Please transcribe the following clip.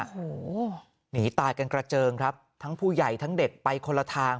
โอ้โหหนีตายกันกระเจิงครับทั้งผู้ใหญ่ทั้งเด็กไปคนละทาง